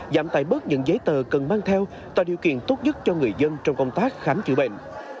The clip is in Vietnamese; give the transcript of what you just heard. giảm tài bớt những giấy tờ cần mang theo tạo điều kiện tốt nhất cho người dân trong công tác khám chữa bệnh